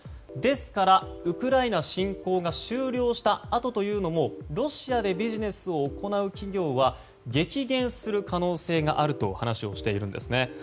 ですから、ウクライナ侵攻が終了したあとというのもロシアでビジネスを行う企業は激減する可能性があると話をしているんですね。